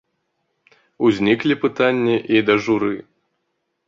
Узніклі пытанні і да журы.